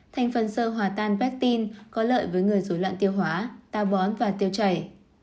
thành phần sơ hòa tan pectin có lợi với người dối loạn tiêu hóa tao bón và tiêu chảy